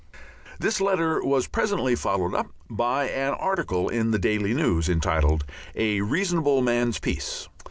§ 2 This letter was presently followed up by an article in the Daily News, entitled "A Reasonable Man's Peace."